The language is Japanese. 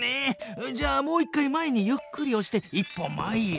じゃあもう一回前にゆっくりおして一歩前へ。